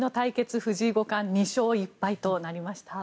藤井五冠２勝１敗となりました。